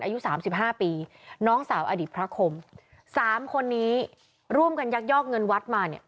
อายุสามสิบห้าปีน้องสาวอดีตพระคมสามคนนี้ร่วมกันยักยอกเงินวัดมาเนี่ย